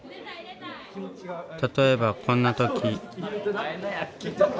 例えばこんな時。